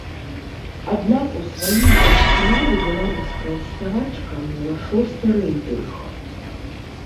Аднак у сваім паўфінале беларуская спявачка мела шосты рэйтынг.